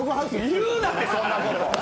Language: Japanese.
言うなってそんなこと。